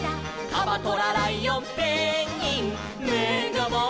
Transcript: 「カバトラライオンペンギンめがまわる」